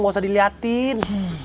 gak usah diliatin